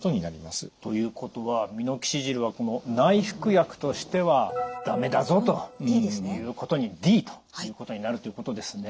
ということはミノキシジルは内服薬としては駄目だぞということにＤということになるということですね。